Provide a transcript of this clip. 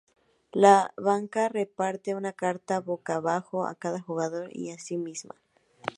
La banca reparte una carta boca abajo a cada jugador y a sí misma.